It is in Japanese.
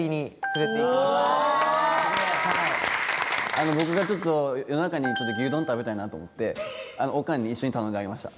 あの僕がちょっと夜中に牛丼食べたいなと思ってオカンに一緒に頼んであげました。